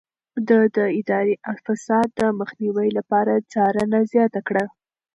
ده د اداري فساد د مخنيوي لپاره څارنه زياته کړه.